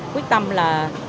quyết tâm là